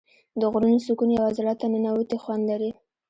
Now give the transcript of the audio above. د غرونو سکون یو زړه ته ننووتی خوند لري.